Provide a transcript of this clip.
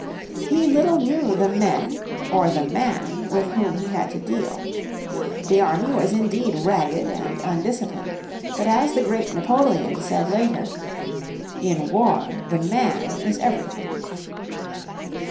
He little knew the men or the man which who he had to deal. The army was indeed ragged and undisciplined. But as the great Napoleon said later, "In war the man is everything."